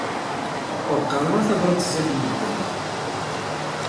Ur qqar ara tabrat zdat n medden.